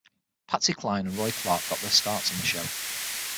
Patsy Cline and Roy Clark got their starts on the show.